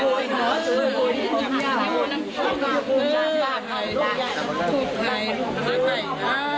ตอนนี้ก็ไม่มีเวลาให้กลับมาเที่ยวกับเวลา